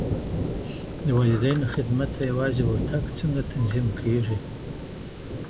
د والدينو خدمت ته يوازي ورتګ څنګه تنظيم کيږي؟